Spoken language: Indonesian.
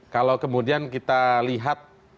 kalau kemudian kita lihat